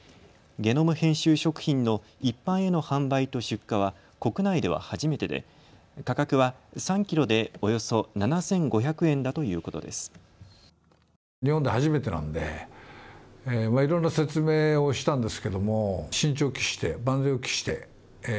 ゲノム編集食品の一般への販売と出荷は国内では初めてで価格は３キロでおよそ７５００円だということです。